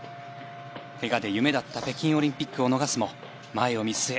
けがで夢だった北京オリンピックを逃すも前を見据え